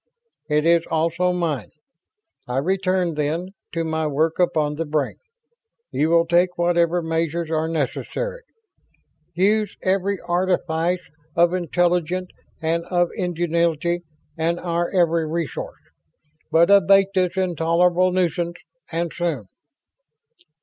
"It is also mine. I return, then, to my work upon the Brain. You will take whatever measures are necessary. Use every artifice of intellect and of ingenuity and our every resource. But abate this intolerable nuisance, and soon."